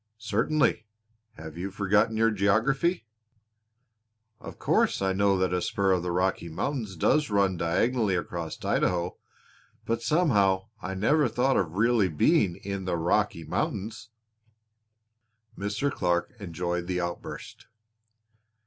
"Certainly. Have you forgotten your geography?" "Of course I know that a spur of the Rocky Mountains does run diagonally across Idaho; but somehow I never thought of really being in the Rocky Mountains!" Mr. Clark enjoyed the outburst.